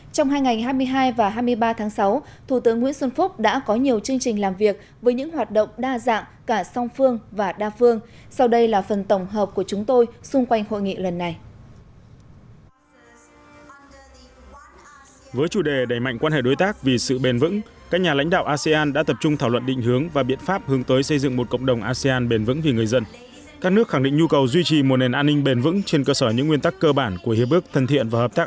trong hai nghìn hai mươi hai và hai mươi ba tháng sáu thủ tướng nguyễn xuân phúc đã có nhiều chương trình làm việc với những hoạt động đa dạng cả song phương và đa phương sau đây là phần tổng hợp của chúng tôi xung quanh hội nghị lần này